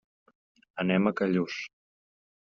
Anem a Callús.